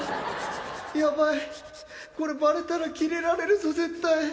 ヤバいこれバレたらキレられるぞ絶対